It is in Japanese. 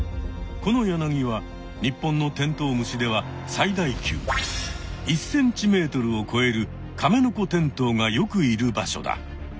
このヤナギは日本のテントウムシでは最大級１ｃｍをこえるカメノコテントウがよくいる場所だ。